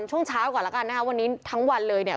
ช่วงเช้าก่อนแล้วกันนะคะวันนี้ทั้งวันเลยเนี่ย